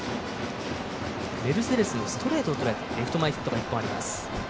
メルセデスのストレートをとらえてレフト前のヒットが１本あります。